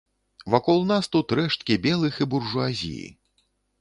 Вакол нас тут рэшткі белых і буржуазіі.